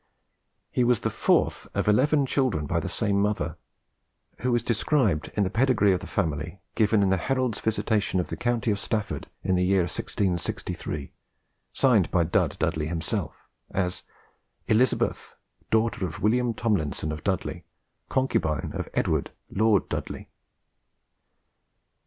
He was the fourth of eleven children by the same mother, who is described in the pedigree of the family given in the Herald's visitation of the county of Stafford in the year 1663, signed by Dud Dudley himself, as "Elizabeth, daughter of William Tomlinson of Dudley, concubine of Edward Lord Dudley."